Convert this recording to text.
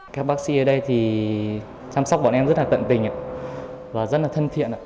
các bác sĩ ở đây thì chăm sóc bọn em rất là tận tình và rất là thân thiện